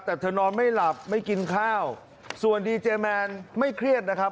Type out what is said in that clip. แต่เธอนอนไม่หลับไม่กินข้าวส่วนดีเจแมนไม่เครียดนะครับ